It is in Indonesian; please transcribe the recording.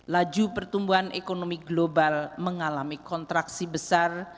laju pertumbuhan ekonomi global mengalami kontraksi besar